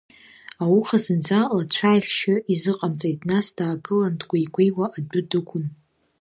Ауха зынӡа лацәааихьшьы изыҟамҵеит, нас даагылан дгәеигәеиуа адәы дықәын.